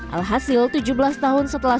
alhasil tujuh belas tahun setelah